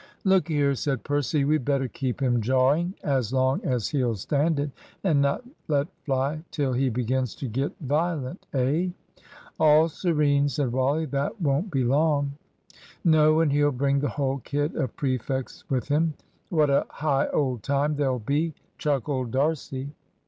"Look here," said Percy, "we'd better keep him jawing as long as he'll stand it, and not let fly till he begins to get violent eh?" "All serene," said Wally; "that won't be long." "No; and he'll bring the whole kit of prefects with him. What a high old time there'll be!" chuckled D'Arcy.